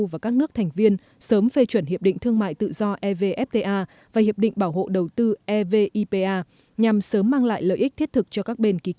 và các nước thành viên sớm phê chuẩn hiệp định thương mại tự do evfta và hiệp định bảo hộ đầu tư evipa